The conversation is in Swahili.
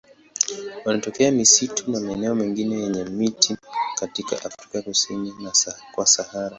Wanatokea misitu na maeneo mengine yenye miti katika Afrika kusini kwa Sahara.